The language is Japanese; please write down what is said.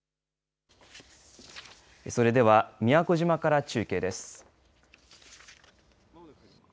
それでは、宮古島から中継です。